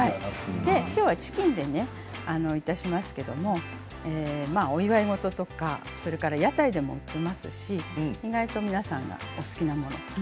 きょうはチキンでいたしますけれど、お祝い事とか屋台でも売っていますし意外と皆さんがお好きなもの